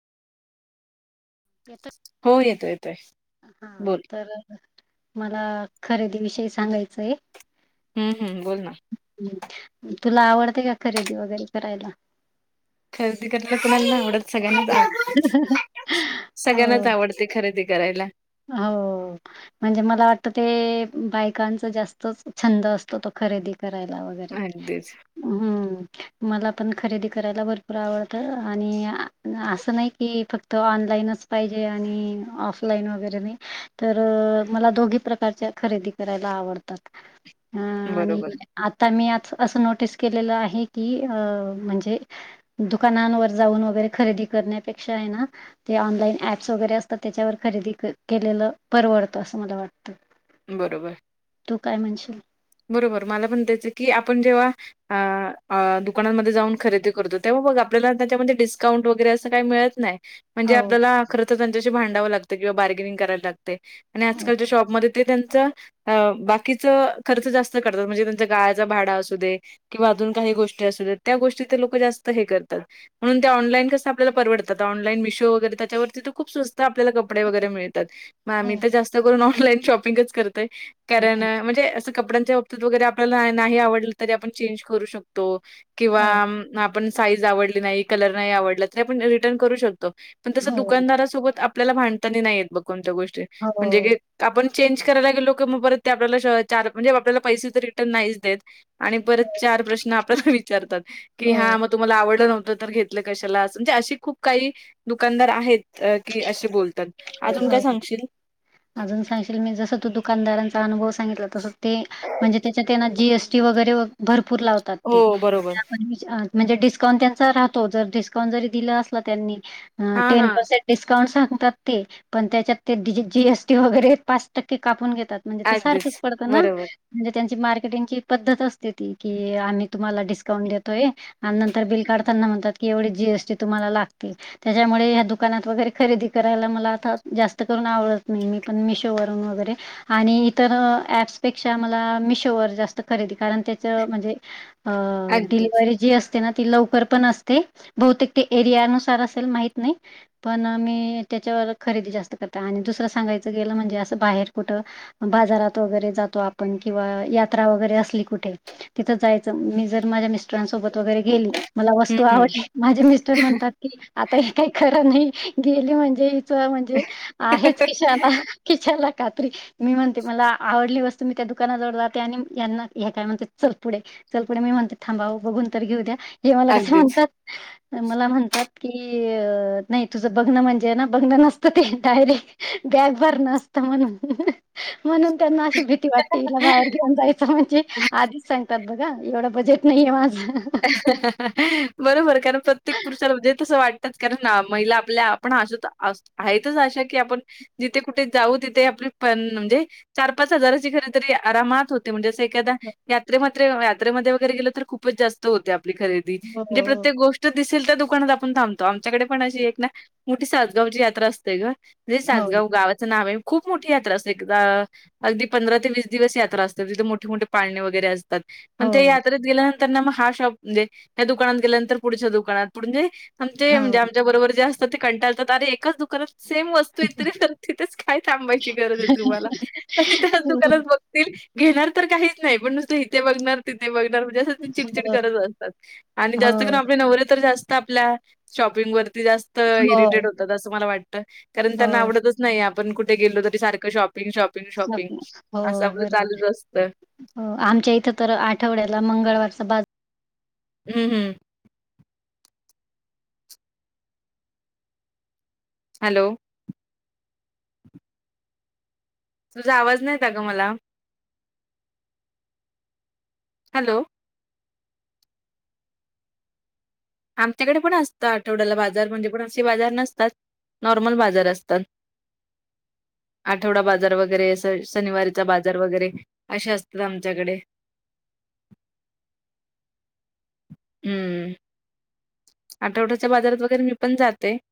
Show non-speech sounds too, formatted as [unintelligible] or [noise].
[inaudible] हो येतो येतोय. बोल तर मला खरेदी विषयी सांगायचंय. हम्म हम् बोल ना. तुला आवडतय का खरेदी वगैरे करायला. खरेदी करताल कुणाला नाही आवडत सगळ्यांनाच [unintelligible] सगळ्यांनाच आवडत. ते खरेदी करायला. हाव म्हणजे मला वाटत ते बायकांच जास्तच छंद असतो तो खरेदी. करायला वगैरे अगदीच हम्म. मला पण खरेदी करायला भरपूर आवडत आणि असं नाही की फक्त. तो ऑनलाईनच पाहिजे आणि ऑफलाईन वगैरे. तर मला दोघी प्रकारच्या खरेदी करायला आवडतात. अ आणि बरोबर आता मी आ असं नोटीस केलेलं आहे की अ म्हणजे. दुकानांवर जाऊन वगैरे खरेदी करण्यापेक्षा आहे ना. ते ऑनलाईन ऍप्स वगैरे असतात त्याच्यावर खरेदी क केलेलं परवडतं असं मला वाटतं. बरोबर. तू काय म्हणशील? बरोबर मला पण तेच की आपण जेव्हा आ दुकानांमध्ये जाऊन खरेदी करतो तेव्हा बघ आपल्याला त्याच्यामध्ये डिस्काउंट वगैरे असं काय मिळत नाही. म्हणजे हो आपल्याला खर तर त्यांच्याशी भांडावं लागतं किंवा बार्गेनिंग कराय लागते आणि हो आजकालच्या शॉपमध्ये ते त्यांच अ बाकीच खर्च जास्त करतात म्हणजे त्यांच्या गाळाचा भाडा असू दे किंवा अजून काही गोष्टी अस त्या गोष्टी ते लोक जास्त हे करतात. म्हणून ते ऑनलाई कसं आपल्याला परवडतात ऑनलाईन मिशो वगैरे त्याच्यावरती ते खूप स्वस्त स्त आपल्याला कपडे वगैरे मिळतात मग आम्ही हो तर जास्त करून ऑनलाईन शॉपिंगच करतोय. कारण हं. म्हणजे असं कपड्यांच्या बाबतीत वगैरे आपल्याला नाही आवडलं तरी आपण चेंज करू शकतो. किंवा हो आपण साईज आवडली नाही कलर नाही आवडला तरी आपण रिटर्न करू शकतो. पण तसं हो दुकानदारासोबत आपल्याला भांडताना नाहीेत बघ कोणत्या गोष्टी हो म्हणजे घे आपण चेंज करायला गेलो क मग परत ते आपल्याला चार म्हणजे आपल्याला पैसे तर रिटर्न नाहीच देत. आणि परत चार प्रश्न आपल्यास विचारतात की हो हा मग तुम्हाला आवडलं नव्हतं तर घेत ल कशाला म्हणजे अशी खूप काही दुकानदार आहेत की असे बोलतात. अजून काय हो सांगशील? अजून सांगशील मी जस तू दुकानदारांचा अनुभव सा सांगितलं तसं ते म्हणज त्या जीएसटी वगरे भरपूर लावतात ते. हो, बरोबर. म्हणजे डिस्काउंट त्यां राहतो जर डिस्काउंट जरी दिला अस त्यांनी हां, टेन हां. पर्सेंट. डिस्काउंट सांगतात ते पण त्याच्यात ते डि जी जीएसटी वगैरे पाच टक्के कापून घेतात. म्हणजे ते सारखंच अगदीच. पडतं ना. बरोबर. म्हणजे त्यांची मार्केटिंगची पद्धत असते ती की आम्ही तुम्हाला डिस्काउंट देतोय. आणि नंतर बिल काढताना म्हणतात की एवढी जीएसटी तुम्हाला लागती. त्याच्यामुळे या दुकानात वगैरे खरेदी कर करायला मला आता जास्त करून आवडत नाही मी पण मिशोवररून वगैरे आणि इतर ऍप्सपेक्षा मला मिशोवरर जास्त खरेदी कारण त्याच म्हणजे अ अगदीच. डिलेवरी जी असते. ती लवकर पण असते बहुतेक एरिया नुसार असेल माहित नाही पण मी त्याच्यावर खरेदी जास्त करतात आणि दुसरं सांगायचं गेलं म्हणजे असं बाहेर कुठं बाजारात वगैरे जातो आपण किंवा यात्रा वगैरे असली कुठे तिथं जायचं मी जर माझ्या मिस्टरांसोबत वगैरे गेली मला हं, वस्तू हं. आवड माझे मिस्टर म्हणतात की आता हे काही खरं नाही गेले म्हणजे च म्हणजे आहेच किशाला किशाला कात्री मी म्हणते मला आवडली वस्तू मी त्या दुकानाजवळ जाते आणि यांना हे काय म्हणते चल पुढे. चल पुढे मी म्हणते थांबाव बघून तर घेऊ द्या. हे मला कसं अगदीच. म्हणतात मला म्हणतात की अ नाही तुझं बघण म्हणजे बघणं नसतं ते डायरे बॅग भरन असत म्हणून म्हणून त्यांना भीती वाटते हला बाहेर घेऊन जायचं म्हणजे आधीच सांगतात बघा एवढं बजेट नाहीय माझं. हम्म हा हा हा आ बरोबर कारण प्रत्येक पुरुषाला म्हणजे तस वाट तच कारण महिला आपल्या आपण अस आहेतच अशा की आपण जिथे कुठे जाऊ तिथे आपली पण म्हणजे चार पाच हजाराची खरेदी तरी आरामात होते म्हणजें असं एक क दा यात्रेमध्ये यात्रेमध्ये वगैरे गेलं तर खूपच जास्त होते आपली खरेदी म्हणजे हो. प्रत्येक गोष्ट तो दिसेल त्या दुकानात आपण थांबतो आमच्याकडे पण अशी एक ना मोठी सासगावची यात्रा असते ग म्हणजे हो, सजगाव गावाचं नाव आहे खूप मोठी यात्रा असते एकदा अगदी पंधरा, ते वीस दिवस यात्रा असतात. तिथे मोठे मोठे पाळणे वगैरे असतात. हो, पण ते, यात्रेत गेल्यानंतर ना मग हा, शॉप म्हणजे या, दुकानात गेल्यानंतर, पुढच्या दुकानात पु म्हणजे. आमचे हे म्हजे हो. आमच्या बरोबरे, जे असत ते कटाळतात अरे एकाच दुकानात सेम वस्तू इतरी व तथच काय, थांबायची गरज आहे. तुम्हाला तरी त्याच हो, दुकानात बघ. घेणार तर काहीच नाही, पण नुसतं इथे बघणार तिथे, बघणार म्हणजे असं चिडचिड, हो. करत असतत आणि जास्त करून हो, आपले नवरे तर जास्त आपल्या शॉपिंग वरती जा त हो, इरिटेट होत अस मला वाटत कारण त्यांना हो. आवडत नाही आपण कुठे गेलो तरी सारखं शॉपिंग शॉपिंग शॉपिंग स्वप्न. हो, असं आपलं बरोबर. चालूच असतं. हो आमच्या इथं तर आठवड्याला मंगळवारचा बाज हम्म हम्म. हॅलो? तुझा आवाज नाही, येत आहे ग मला हॅलो? आमच्याकडे पण असतं आठवड्याला बाजार, म्हणजे पण असे बाजार नसतात. नॉर्मल बाजार असतात, आठवडा बाजार वगैरे, शनिवारीचा बाजार वगैरे. असे असतात आमच्याकडे. [unintelligible] हम्म, आठवड्याच्या बाजारात वगैरे, मी पण जाते.